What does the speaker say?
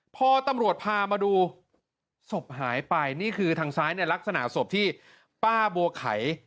พอตำรวจพามาดูศพหายไปนี่คือทางซ้ายในลักษณะศพที่ป้าบัวไข่